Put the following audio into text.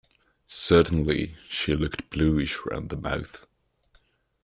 Certainly she looked bluish round the mouth.